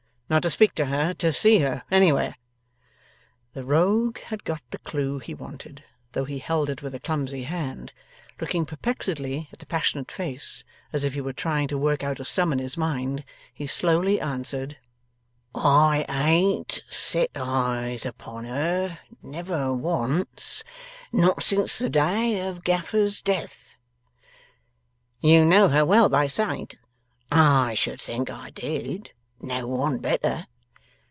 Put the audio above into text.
Not to speak to her. To see her anywhere?' The Rogue had got the clue he wanted, though he held it with a clumsy hand. Looking perplexedly at the passionate face, as if he were trying to work out a sum in his mind, he slowly answered: 'I ain't set eyes upon her never once not since the day of Gaffer's death.' 'You know her well, by sight?' 'I should think I did! No one better.